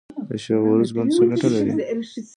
د شاه و عروس بند څه ګټه لري؟